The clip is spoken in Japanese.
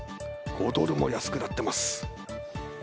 ５ドルも安くなってます。